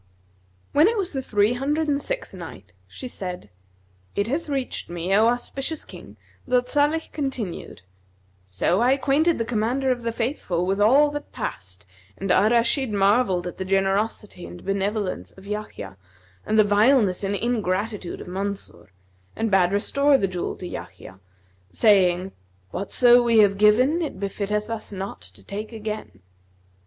When it was the Three Hundred and Sixth Night, She said, It hath reached me, O auspicious King, that Salih con tinued: "So I acquainted the Commander of the Faithful with all that passed and Al Rashid marvelled at the generosity and benevolence of Yahya and the vileness and ingratitude of Mansur, and bade restore the jewel to Yahya, saying, 'Whatso we have given it befitteth us not to take again.'